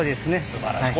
すばらしい！